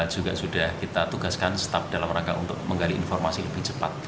juga sudah kita tugaskan staf dalam rangka untuk menggali informasi lebih cepat